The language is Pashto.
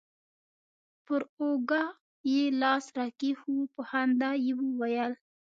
پر اوږه يې لاس راكښېښوو په خندا يې وويل.